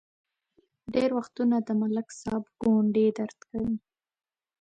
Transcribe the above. ډېر وختونه د ملک صاحب ګونډې درد کوي.